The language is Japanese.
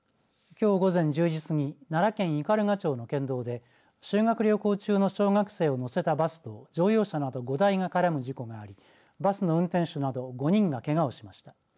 きょう午前１０時過ぎ奈良県斑鳩町の県道で修学旅行中の小学生を乗せたバスと乗用車など５台が絡む事故がありバスの運転手など５人がけがをしました。